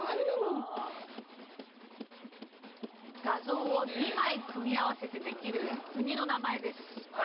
画像を２枚組み合わせてできる国の名前です。